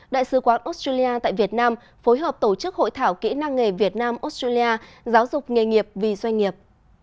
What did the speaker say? đại sứ quán australia tại việt nam phối hợp tổ chức hội thảo kỹ năng nghề việt nam australia giáo dục nghề nghiệp vì doanh nghiệp